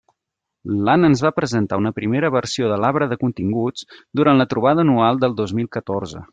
L'Anna ens va presentar una primera versió de l'arbre de continguts durant la trobada anual del dos mil catorze.